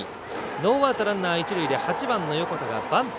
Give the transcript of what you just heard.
ノーアウト、ランナー、一塁で８番の横田がバント。